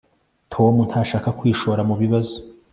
tom ntashaka kwishora mubibazo